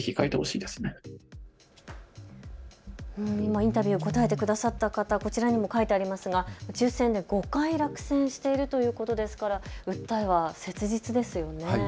インタビューに答えてくださった方、こちらにも書いてありますが抽せんで５回落選しているということですから訴えは切実ですよね。